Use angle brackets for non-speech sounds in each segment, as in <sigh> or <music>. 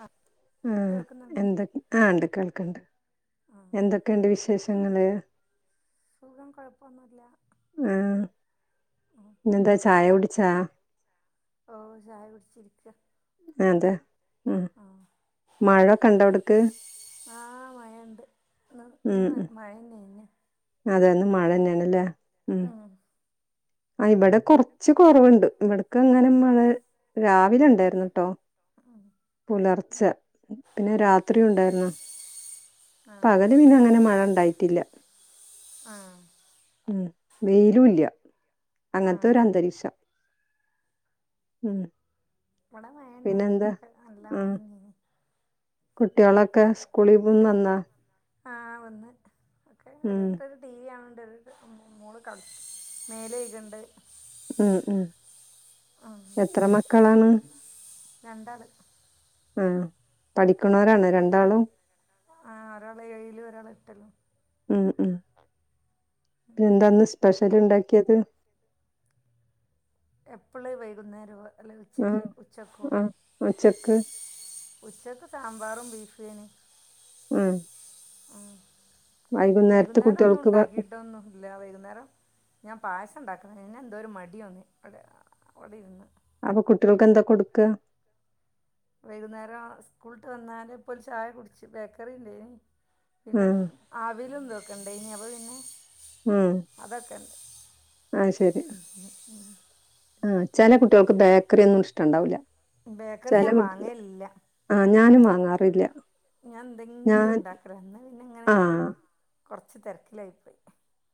ആ ആ കേൾക്കുന്നുണ്ട് എന്തൊ ആ ണ്ട് കേൾക്ക്ണ്ട് ആ എന്തൊക്കെണ്ട് വിശേഷങ്ങള് സുഖം കുഴപ്പൊ ആ പിന്നെന്താ ചായ കുടിച്ചാ ഓ ചായ കുടിച്ചിരിക്ക അതെ മ് ആ മഴൊക്കെണ്ടോ അവിട്ക്ക് ആ മഴെണ്ട് ഇന്ന് ഇന്ന് മഴന്നെയിന് അതന്നെ മഴ തന്നെയണല്ലേ ഉം ആ ഇവിടെ കൊറച്ച് കൊറവുണ്ട് ഇവിടക്കങ്ങനെ മഴ രാ വിലെണ്ടാരുന്നുട്ടോ ഉം പുലർ ച്ച പിന്നെ രാത്രി ഉണ്ടായിരുന്നു ആ പകല് പിന്നെ അങ്ങനെ മഴണ്ടായി ട്ടില്ല ആ ഉം വെയിലും ഇല്ല ആ അങ്ങനത്തെ ഒരന്തരീക്ഷം ഉം ഇവിടെ മഴന്നെയാണ് പിന്നെന്താ ഇന്നൊക്കെ നല്ല ആഹ് മഴയന്നേ നി കുട്ടികളൊക്കെ സ്കൂളി പോന്ന്ന്നാ ആ വന്ന് ഒക്കെ ഓരോര്ത്തരു ടി വി കാണ് ചെറുത് മോള് കളി മേല് കഴ്ക്കണ്ട് ഉം ഉം ഉം എത്ര മക്കളാണ് രണ്ടാള് ആ പഠിക്കുന്നവരാണ് രണ്ടാളും ആ ഒരാള് ഏഴിലും ഒരാള് എട്ടിലും ഉം ഉ ഉം പിന്നെന്താ സ്പെ ഷലിണ്ടാക്കിയത് എപ്പള് വൈകുന്നേരള്ളത് ഉം ഉം ഉച്ചക്ക് ഉച്ചക്ക് സാമ്പാറും ബീഫുവേനി ഉം യം വൈകുന്നേരത്ത് വൈകുന്നേരം ഒന്നും കുട്ടികൾക്ക് ഭ- ഉണ്ടാക്കിട്ടൊന്നും ഇല്ല വൈകുന്നേരം ഞാൻ പായസം ഉണ്ടാക്കണം പിന്നെന്തോ ഒരു മടിയോന്നി ഇവിടെ അവിടെ ഇര്ന്ന് അപ്പൊ കുട്ടികൾക്ക് എന്താ കൊടുക്ക വൈകുന്നേരം സ്കൂളിട്ട് വന്നാരെ ഇപ്പൊര് ചായ കുടിച്ച് ബേക്കറി ഇണ്ടേനി പിന്നെ ആഹ് അവിലും ഇതൊക്കെണ്ടേനി അപ്പൊ പിന്നെ ഉം അതൊക്കെ ആഹ് ശരി ആഹ് ചെല കുട്ടികൾക്ക് ബേക്കറി ഒന്നും ഇഷ്ടണ്ടാവൂല്ല ബേക്കറി ഞാൻ വാങ്ങലില്ല വാങ്ങാറില്ല്യ ഞാൻ എന്തെങ്കിലും ഉണ്ടാക്കല ഇന്ന് പിന്നെ ഇങ്ങനെ ആഹ് കൊറച്ച് തെര്ക്കിലായി പോയി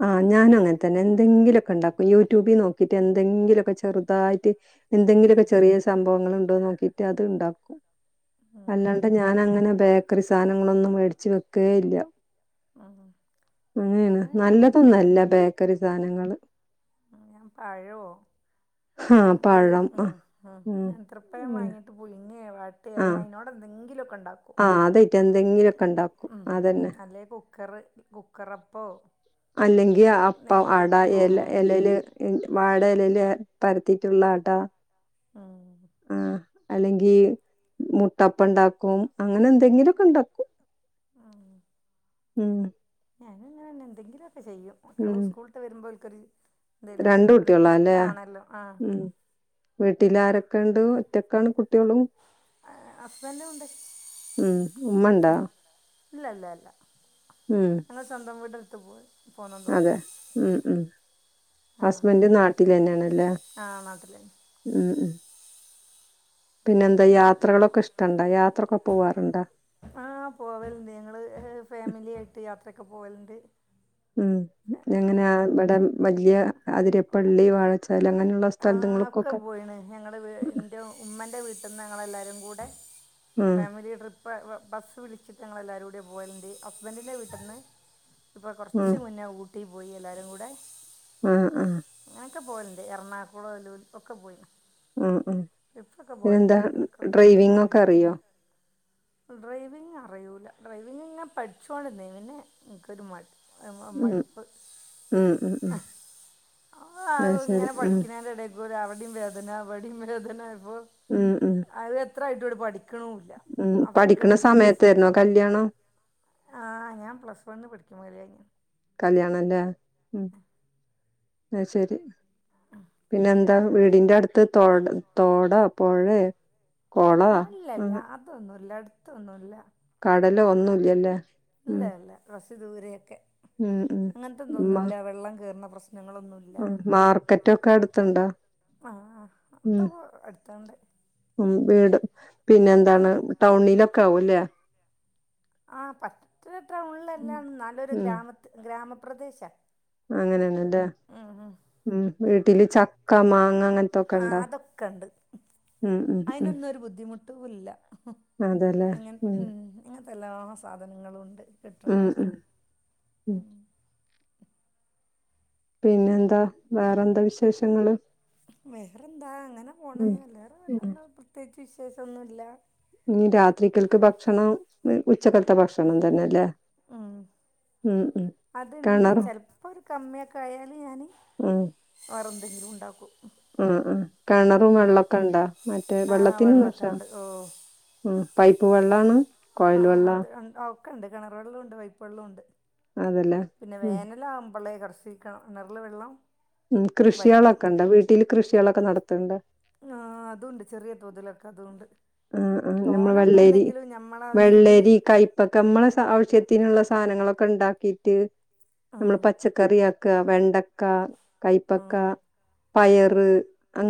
ആ ഞാനും അങ്ങനെ തന്നെ എന്തെങ്കിലൊക്കെ ഇണ്ടാക്കും യൂട്യൂബിൽ നോക്കിയിട്ട് എന്തെങ്കിലൊക്കെ ചെറുതായിട്ട് എന്തെങ്കിലൊക്കെ ചെറിയ സംഭവങ്ങള്ണ്ടോ നോക്കീട്ട് അത് ഇണ്ടാക്കും ഉം. അല്ലാണ്ട് ഞാനങ്ങനെ ബേക്കറി സാനങ്ങളൊന്നും മേടിച്ചു വെക്കേ ഇല്ല ആഹാ അങ്ങനേണ് നല്ലതൊന്നും അല്ല ബേക്കറി സാനങ്ങള് ആ ഞാൻ പഴോ ആഹ് പഴം അങ്ങനെന്തേലും ആഹ് ഉം ഉ ഉം നേന്ത്രപ്പഴം അങ്ങനെ വാങ്ങിയിട്ട് പുഴുങ്ങേ വാട്ടേ അല്ലേൽ അയിനോടെന്തെങ്കിലും ആ അതായിട്ട് എന്തെങ്കിലൊക്കെ ഇണ്ടാക്കും അതന്നെ ക്കറ് കുക്കറപ്പോ അല്ലെങ്കി അപ്പം അട നെയ്യപ്പം എല ഏലേല് വാട എലയില് പരത്തിട്ടുള്ള അട ഉം ആ അല്ലെങ്കി മുട്ടപ്പണ്ടാക്കും അങ്ങനെന്തെങ്കിലൊക്കെണ്ടാക്കും ആ ഉം ഞാനങ്ങനെന്നെ എന്തെങ്കിലൊക്കെ ചെയ്യും ഉം കുട്ട്യാള് സ്കൂൾ ട്ട് വരുമ്പോൽക്കൊര് രണ്ട് കുട്ടികളാ അല്ലേ ഉം വീട്ടിലാര ക്കെണ്ട് ഒറ്റക്കാണ് കുട്ട്യോളും ഹസ്ബൻഡും ഉണ്ട് ഉം ഉമ്മ ണ്ടാ ആ ഇല്ല ഇല്ല ഇല്ല ഞങ്ങൾ സ്വന്തം വീടെടുത്ത് പോയി പോന്നതാ അതെ ഉം ഉം ആ ഹസ്ബന്റ് നാട്ടിലെന്നേണ് ല്ല ആ നാട്ടിൽ തന്നെ ഉം ഉം പിന്നെന്താ യാത്രകളൊക്കെ ഇഷ്ടണ്ടാ യാത്രൊക്കെ പോവാറുണ്ടാ ആ പോവല്ണ്ട് ഞങ്ങള് ഫാമിലി ആയിട്ട് യാത്രൊക്കെ പോവല്ണ്ട് ഉം എങ്ങനെ ഇവിടെ വല്ല്യ അതിരപ്പള്ളി വാഴച്ചാൽ അങ്ങനെള്ള ആ ഒക്കെ പോയീണ് ഞങ്ങടെ ഇന്റെ ഉമ്മൻ്റെ വീട്ടിന്ന് ഞങ്ങളെല്ലാരും കൂടെ ഉം, ഫാമിലി ട്രിപ്പ്ബസ്സ് വിളിച്ചിട്ട് ഞങ്ങളെല്ലാരും ടീം പോവല്ണ്ട് ഹസ്ബന്റിന്റെ വീട്ട്ന്ന് ഇപ്പൊ ഉം. കൊർച്ച് മുന്നേ ഊട്ടി പോയി എല്ലാരും കൂടെ ആ ആ ക്കെ പോവല്ണ്ട് എറണാകുളം ലു ഒക്കെ പോയിണ് ഉം ഉം പിന്നെന്താ ഇടയ്ക്കൊക്കെ ഡ്രൈവിംഗ് ഉം. ഒക്കെ അറിയോ ഡ്രൈവിംഗ് അറിയൂല ഡ്രൈവിംഗ് െങ്ങപഠിച്ചോണ്ട്ന്നീനി പിന്നെ ഇൻക്കൊര് മടി ഉം, മടുപ്പ് ന്നാ ശരി ഉം വടെ അവിടി വേദന വടി വേദന ഉം ഉം എത്രായിട്ടും ട്ട് പഠി ഉം പഠിക്കണ സമയത്തേരുന്നോ കല്യാണം ആഹ് ഞാൻ പ്ലസ് വൺ പഠിക്കുമ്പോ കല്യായാ ഞ്ഞ് ണ് കല്യാണംല്ലേ ഉം അഹ് ശരി പിന്നെ എന്താ വീടിന്റെ അടുത്ത് തോ തോടോ പോഴേ ആ ഇല്ലല്ല അതൊന്നുല്ല അടുത്തൊന്നുല്ല കടല് ഒന്നുംല്ലല്ലേ ഇല്ല ഉം ഇല്ല കുറസ് ദൂരൊക്കെ ഉം ഉം അങ്ങന് ത്തെ മാ തൊന്നുല്ല വെള്ളം കേറുന്ന പ്രശ് ഉം മാർക്കറ്റൊക്കെ അട്ത്ത്ണ്ടോ ആ ആ അതൊക്കെ അട്ത്ത്ണ്ട് ഉം വീട് പിന്നെ എന്താണ് ടൗണിലൊക്കെ ആവുംല്ലേ ആ പറ്റ ടൗണ്ല് അല്ലാന്നും ന്നാല്ലൊരു ഗ്രാമ ഗ്രാമപ്രദേശാ അങ്ങനെ ന്നെ ല്ലേ ഉം വീട്ടില് ചക്ക മാങ്ങ ആ അങ്ങനത്തൊക്കെണ്ടോ? അതൊക്കെണ്ട് ഉം അയിനൊന്നൊരു ബുദ്ധിമുട്ടുല്ല അതെ ല്ലേ ഉം എലാ സാധനങ്ങളും ഉണ്ട് കിട്ട് ഉം ണോട് ഉം ഉം പിന്നെന്താ വേറെന്താ വിശേഷങ്ങള് വെറന്താ അ ഉം ശ <unintelligible> വിശേഷം ഒന്നുല്ല രാത്രിക്കൽക്ക് ഭക്ഷണം ഉ ഉച്ചക്കത്തെ ഭക്ഷണം തന്നെല്ലേ ഉം ഉം അത്ണ്ട് കെണറും ചെലപ്പോ ഒരു കമ്മിയൊക്കെ ആയല് ഞാന് വെറെ ന്തെങ്കിലും ഉണ്ടാക്കും അ അ കിണറും വെള്ളമൊക്കെ ഇണ്ടാ മറ്റേ ആ വെള്ളത്തിനും വശ വെള്ളമൊക്കെ ഉണ്ട് ഓ ഉ പൈപ്പ് വെള്ളാണ് കോയിൽ വെള്ള ക്കണ്ട് കിണർ വെള്ള ഉണ്ട് വൈപ്പ് വള്ള ഉണ്ട് അതല്ലേ പിന്നെ ഉം വേനല ആവുമ്പള്ളേ കുറച്ച് ശ്രീക്കണം കെണറിലെ വെള്ളം ഉം വറ്റും കൃഷികളൊക്കെ ഇണ്ട വീട്ടില് കൃഷികളൊക്കെ നടത്തണ്ട് ആ അതൊണ്ട് ചെറിയ തോതിലൊക്കെ അതുണ്ട് ആ ആ നമ്മൾ തോനൊന്നും വെള്ളരി ഇല്ലെങ്കിലും ഞമ്മളെ ആവശ്യത്തില് വെള്ളരി കയപ്പക്ക നമ്മളെ ആവശ്യത്തിനുള്ള സാധനങ്ങളൊക്കെ ഉണ്ടാക്കിട്ട് ആ നമ്മള് പച്ചക്കറ ആക്ക വെണ്ടക്ക ആ കൈപ്പക്ക പയറ്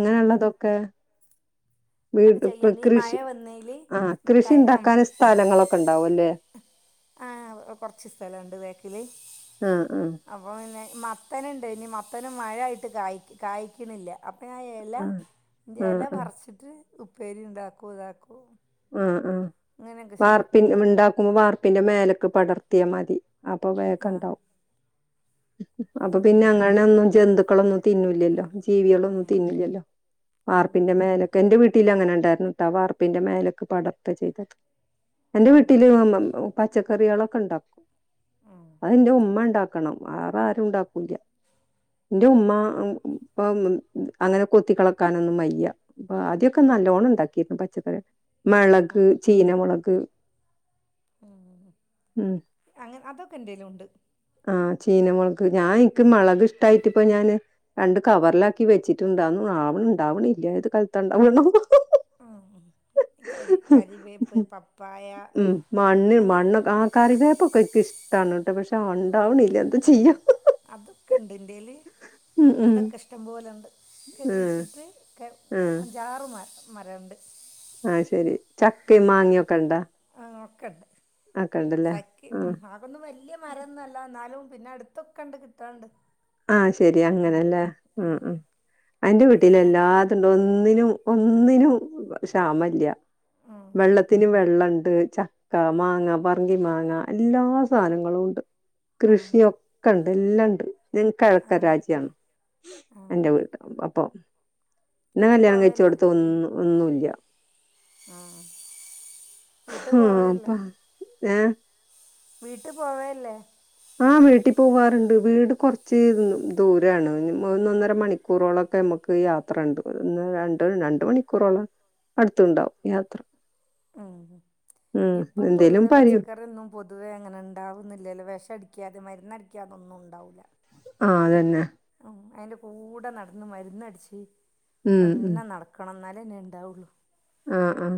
ആ അതൊക്കെ വീട് ചെയ്യൽ ഈ മഴ കൃഷി വന്നേല് ആഹ കൃഷി ഉണ്ടാക്കൻ സ്ഥലങ്ങളൊക്കെ ഉണ്ടാവും അല്ലേ ആഹ് കൊറച്ച് സ്ഥലംണ്ട് വെക്കിൽ ആഹ് ആഹ് അപ്പൊ പിന്നെ മത്തനുണ്ട് ഇനി മത്തനും മഴായിട്ട് കായ് കായ്ക്കണില്ല അ ഇല ആഹ് ഇല ആഹ് ആഹ് മറച്ചിട്ട് ഉപ്പേരി ഉണ്ടാക്കും ഇതാക്കും അ അ അങ്ങനെയൊക്കെ ചെയ്യും വാർപ്പിൻ ഉണ്ടാക്കുമ്പോ വാർപ്പിന്റെ മേലൊക്കെ പടർത്തിയാ മതി അപ്പൊ വേക്ക ആ ഇണ്ടാവും അപ്പൊ ഉം പിന്നെ അങ്ങനെ ഒന്നും ജന്തുക്കളൊന്നും തിന്നില്ലല്ലോ ജീവികളൊന്നും തിന്നില്ലല്ലോ വർപ്പിന്റെ മേലൊക്കെ എന്റെ വീട്ടിൽ അങ്ങനെ ഉണ്ടായിരുന്നുട്ട വാർപ്പിന്റെ മേലെ പടത്ത ചെയ്ത എന്റെ വീട്ടില് പച്ചക്കറികളൊക്കെ ഉണ്ടാക്കും അതിന്റെ ഉമ്മ ഉണ്ടാക്കണം വേറെ ആരും ഉണ്ടാക്കൂല്ല എന്റെ ഉമ്മ ഇപ്പ അങ്ങനെ കൊത്തി കളക്കാനൊന്നും മയ്യ അപ്പൊ ആദ്യക്കെ നല്ലോണം ഉണ്ടാക്കിയിരുന്നു പച്ചക്കറി മളക് ചീനമളക് ഉ അങ്ങനെ അതൊക്കെ ഇന്റെ ലും ഉണ്ട് ആഹ ചീനമളക് ഞാൻ എനിക്ക് മുളക് ഇഷ്ടായിട്ടിപ്പ ഞാന് രണ്ട് കവറിലാക്കി വെച്ചിട്ടുണ്ട് <unintelligible> ഉണ്ടാവ്ണ്ല്ല ഏത് കാലത്ത്ണ്ടാവന്നോ അ <inaudible> ഉ പപ്പായ മ് മണ്ണ് അങ്ങനെ മണ്ണൊക്കെ ആ കറിവേപ്പ് ഒകെ ക്ക് ഇ തണൂട്ട് പക്ഷെ ആ ഉണ്ടാവണില്ല എന്താ ചെയ്യാ അത് ഒകെ ഇണ്ട് ഇന്റെ ല് ഉം ഉം അതൊക്കെ ഇഷ്ടംപോലെണ്ട് <unintelligible> ആഹ് കുഴിച്ചിട്ട് ജാറു മ മരണ്ട് അ ശെരി ചക്കയും മാങ്ങ ഒക്കെ ഇണ്ടാ ഒക്കണ്ട് ചക്കി ആഹ് ആഹകെ വല്യ മരം ഒന്നല്ല ഇ പിന്നെ അടുത്തൊക്കെ ഇണ്ട് കിട്ടാണ്ട് ആഹ ശെരി ഉം, അങ്ങനെല്ല ഉ ഉ എന്റെ വീട്ടില് ബുദ്ധിമുട്ടില്ല എല്ലാതുണ്ട് ഒന്നിനും ഒന്നിനു ക്ഷാമല്ല ഉം, വെള്ളത്തിന് വെള്ളുണ്ട് ചക്ക മാങ്ങ പറങ്കി മാങ്ങ എല്ലാ സാധനങ്ങളും ഉണ്ട് ഉം, കൃഷിയൊക്കെ ഉണ്ട് എല്ലാംണ്ട് നിന ആ, കിഴക്ക രാജ്യാണ് ആ. എന്റെ വീട് അപ്പൊ എന്നാ വീട്ടിൽ കല്യാണം കഴച്ച പോവേല്ലേ കൊടുത്ത ഒന്നും ഒന്നുംല്ല വീട്ട് പോവല്ലേ ഏ വീട്ട് പോവല്ലേ ആഹ വീട്ടിൽ പോവാറുണ്ട് വീട് കുറച്ച് ദൂരാണ് ഒന്നൊന്നര മണിക്കൂറോളം ക്കെ നമ്മുക്ക് യാത്ര ഉണ്ട് രണ്ട രണ്ട മണിക്കൂറോളം അടുത്തുണ്ടാവും യാത്ര ഉം. <inaudible> ഇപ്പം എന്തേലും പൊതുവെ പറയൂ പച്ചക്കറിയൊന്നും പൊതുവേ അങ്ങനെ ഉണ്ടാവുന്നില്ലല്ലോ വെശ അ പിക്കാ അത് മരുന്നടിക്കാ അതൊന്നു ഉണ്ടാവില്ല അ അതന്നെ അതിന്റെ കൂടെ നടന്ന് മരുന്ന്ടിച്ച് ഉം എന്നെ നടക്കണം എന്നാലേന്നെ ഉണ്ടാവുള്ളു അ അ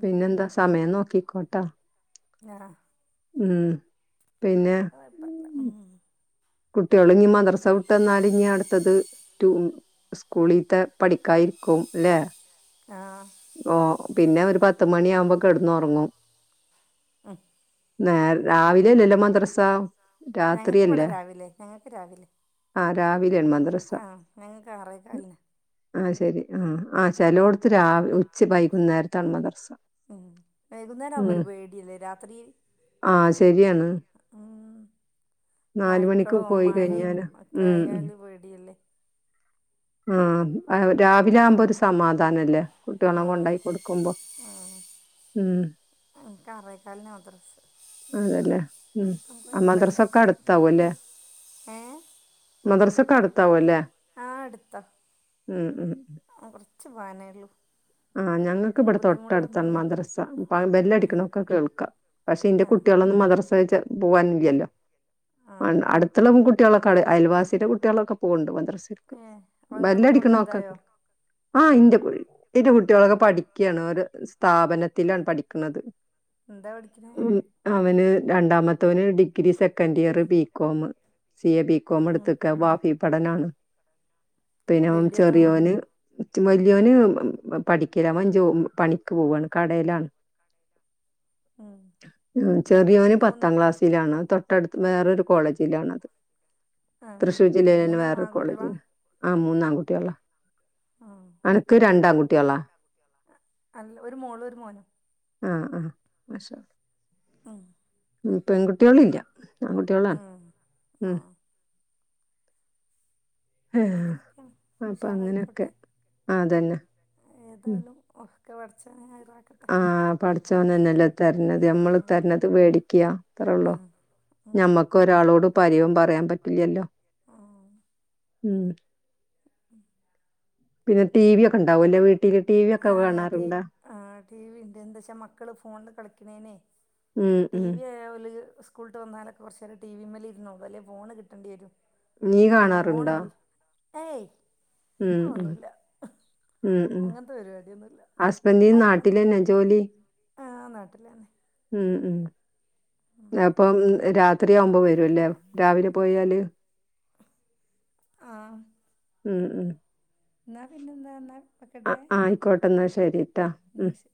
പിന്നെന്താ സമയം നോക്കിക്കോട്ടാ ആ ഉഏ അതപ്പല്ല ഉം കുട്ടികള് നീ മദ്രസ വിട്ട്ന്നാലും ഇീ അടുത്തത് സ്കൂളീത്തെ പഠിക്കായി ആരിക്കും ലേ ആഹ ഓ പിന്നെ ഒരു പത്ത മണി ആകുമ്പോ കെടന്ന് ഉറങ്ങും അ നേ രാവിലെ ലല മത്രസ ഞങ്ങക്ക് ഇവിടെ രാവിലെ ഞങ്ങൾക്ക് രാവിലെ ആ രാവിലെയാണ് മദ്രസ ആഹ് ഞങ്ങ കാറക്ക അല്ലെ ആഹ ശരി ആ ആ് ചില കൊടുത്ത് രാവ ഉം വൈകുന്നേരം ആ ഒരു പേടല്ലേ രാത്രി ആഹ ശരിയാണ് ഉം. നാല് മണിക്ക് നായ്ക്കളോ പോയി മഴയും കഴിഞ്ഞാല് ഒക്കെ ഉം ആയാല് പേടിയല്ലേ ആഹ ആ രാവിലെ ആവുമ്പോ ഒരു സമാധാനംല്ലേ കുട്ടികള ആ കൊണ്ടായി കൊടുക്കുമ്പോ ഉം ഇനിക്ക് അറേക്കാലിന ത്രർ അതല്ലേ ഉം ആ മദ്രസൊക്കെ അടുത്താവു അല്ലേ പിന്നെ ഏ മദർസക്കടുത്താവ അല്ലേ ഉം ഉം ആ കൊറച്ച്ു പോനേള്ളു ആഹ് ഞങ്ങൾക്ക് ഇവിടെ തൊട്ടടുത്താണ് മദ്രസ ബെല്ലടിക്കണൊക്കെ കേൾക്കാം പക്ഷെ എന്റെ കുട്ട ആഹ് കുട്ടികളൊും മദർസഹച്ച പോകാനില്ലല്ലോ ആഹ് അടുത്തുള്ള കുട്ടികളൊക്കെ അയൽവാസിയുടെ കുട്ടികളൊക്കെ പോകണ്ട്ന്ത്ര ഏഹ് അപ്പൊ ഇങ്ങളെ വല്ലടിക്ക് കുട്ടികളൊക്കെ നോക്കാ വലുതായോ ആഹ ഇന്റെ കോഴ ഇന്റെ കുട്ടികളൊക്കെ പഠിക്കുകയാണ് ഒരു സ്ഥാപനത്തിലാണ് പഠിക്കുന്നത് എന്താ പഠിക്കനേ ഉം അവന് രണ്ടാമത്തവന് ഡിഗ്രി സെക്കന്ഡ് ഇയർ ബ കോോം സി എ ബികോം ഉം എടുത്തക്ക ഭാഫി പടനാണ് പിന്നെ വല്യതോ ചെറിയോന് വല്ിയോന് പഠിക്കല അവഞ്ചോ പണിക്ക് പോവാണ് കടയിലാണ് ഉം ചെറിയവന് മൂന്ന് പത്താം ക്ലാസ്സിലാണ്ൊ തൊട്ടടുത്ത് വേറരു കോളേജിലാണത് ആഹ് തൃശ്ശൂർ ജില്ലൽ തന്നെ മൂന്നും വേറൊരു കോളേജ് ആൺകുട്ടികളാ ആ മൂന്നൺകുട്ടിയള്ള ആഹ് എനക്ക് രണ്ടാംകുട്ടികളാ അല്ല ഒരു മോള് ഒരു മോനും ആഹ ആഹ അ ആ പെൺകുട്ടികളില്ല ആൺകുട്ടികളാണ് ഉ ഉം. ആ ആഹ അങ്ങനെയൊക്കെയാണ് അപ്പൊ അങ്ങനെയൊക്കെ ഉഷാറായിപ്പോട്ടെ ആതന്നെ ഏതായാലും ഒക്കെ വടച്ച ആഹ പഠിച്ചോന തന്നെല്ലേ തരത് നമ്മൾ തരണത് പേടിക്കുക ഇത്രള്ളോ നമ്മക്ക് ഒരാളോട് പരിവും പറയാൻ പറ്റില്ലല്ലോ ഉം ഉം പിന്നെ ടി വി ഒക്കെ ഉണ്ടാവും അല്ലെ വീട്ടിൽ ആ ടി വി എന്താ വച്ചാ മക്കള് ഫോണില് കളിക്കണേനെ ഉം ടി ഉം വി ഉള്ളില് സ്കൂളട്ട് വന്നാലൊക്കെ കൊറച്ച് നേരെ ടി വിമ്മല് ഇരുന്നു അലേ ഫോണ് കിട്ടണ്ടിവരും നീ കാണാറുണ്ടാ ഏയ് ഉം ഉം അതൊന്നുമില്ല ഉം ഉം അങ്ങനത്തെ പരിപാടിയൊന്നുമില്ല ഹസ്ബൻറ നാട്ടിലന്നെ ജോലി ആ നാട്ടിലാണ് ഉം ഉ അപ്പം രാത്രിയാവുമ്പോൾ വരുംല്ലേ രാവിലെ പോയാല് ആ ഉം ഉം എന്നാ പിന്നെന്താാ ആ ആയിക്കോട്ടെന്നാ ശരിട്ടാ ഉം എന്നാൽ ശരി